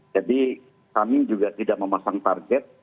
jadi kami juga tidak memasang target